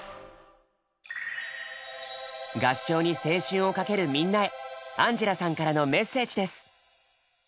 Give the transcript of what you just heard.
合唱に青春をかけるみんなへアンジェラさんからのメッセージです。